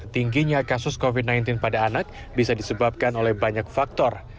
tingginya kasus covid sembilan belas pada anak bisa disebabkan oleh banyak faktor